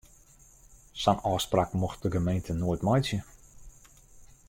Sa'n ôfspraak mocht de gemeente noait meitsje.